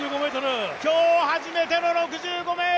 今日初めての６５ｍ。